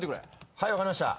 はい分かりました。